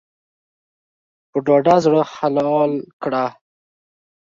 په ډاډه زړه حلال کړه.